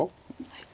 はい。